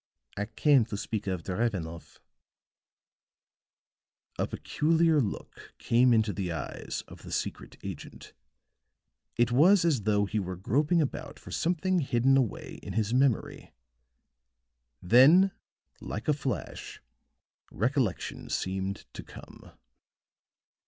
I came to speak of Drevenoff." A peculiar look came into the eyes of the secret agent; it was as though he were groping about for something hidden away in his memory; then like a flash, recollection seemed to come.